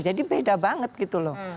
jadi beda banget gitu loh